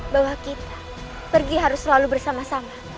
bahwa kita pergi harus selalu bersama sama